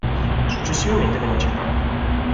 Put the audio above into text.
Successivamente venne accecato.